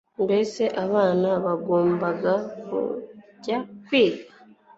Mbese abana bagombaga kujya kwiga